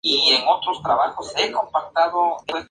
Se ignora la suerte que corrió.